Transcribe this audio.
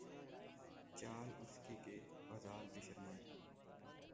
چال اس کی کہ، غزال بھی شرمائیں